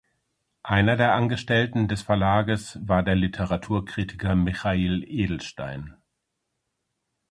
Einer der Angestellten des Verlages war der Literaturkritiker Michail Edelstein.